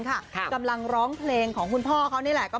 กำลังร้องเพลงของคุณพ่อเขานี่แหละ